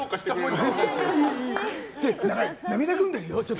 何か涙ぐんでるよ。